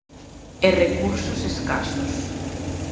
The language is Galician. E recursos escasos.